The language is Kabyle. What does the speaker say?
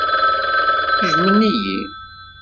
Jjmen-iyi.